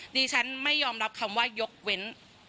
ดิฉันไม่ยอมรับคำว่ายกเว้น